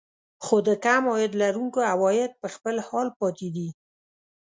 خو د کم عاید لرونکو عوايد په خپل حال پاتې دي